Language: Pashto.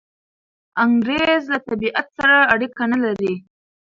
انګریز له طبیعت سره اړیکه نلري.